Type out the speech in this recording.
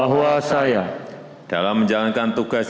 demi berbakti saya kepada bangsa dan negara